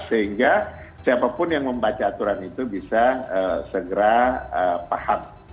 sehingga siapapun yang membaca aturan itu bisa segera paham